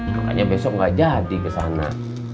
makanya besok gak jadi ke sana